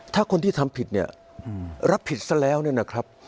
ถ้าคนที่ทำผิดเนี่ยรับผิดซะแล้วเนี่ยนะครับ